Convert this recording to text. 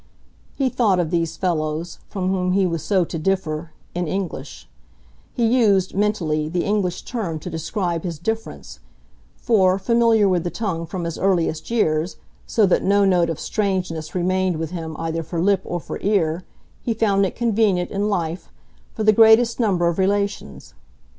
He thought of these fellows, from whom he was so to differ, in English; he used, mentally, the English term to describe his difference, for, familiar with the tongue from his earliest years, so that no note of strangeness remained with him either for lip or for ear, he found it convenient, in life, for the greatest number of relations.